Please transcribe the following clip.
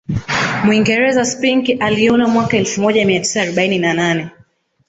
Mwingereza Spink aliona mwaka elfu moja mia tisa arobaini na nne